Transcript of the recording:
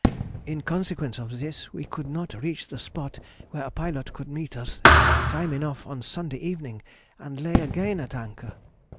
In consequence of this, we could not reach the spot where a pilot could meet us time enough on Sunday evening, and lay again at anchor.